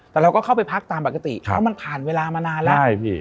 แต่เราก็เข้าไปพักตามปกติเพราะมันผ่านเวลามานานแล้วใช่พี่